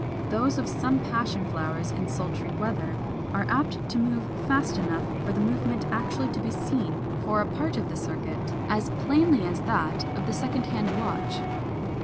Those of some Passion flowers, in sultry weather, are apt to move fast enough for the movement actually to be seen for a part of the circuit, as plainly as that of the second hand of a watch.